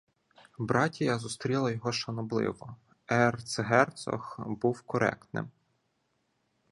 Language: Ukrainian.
Братія зустріла його шанобливо, ерцгерцог був коректним.